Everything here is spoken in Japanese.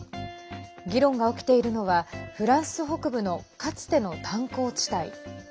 議論が起きているのはフランス北部のかつての炭鉱地帯。